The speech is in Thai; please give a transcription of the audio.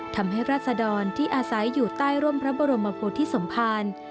ทำให้ราษดรที่อาศัยอยู่ใต้ร่มพระบรมพุทธที่สมภาร